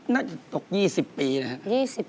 น่าจะตก๒๐ปีนะครับ